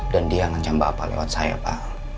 dan dia ngancam bapak lewat saya pak